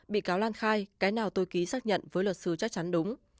bị cáo lan khai cái nào tôi ký xác nhận với luật sư chắc chắn đúng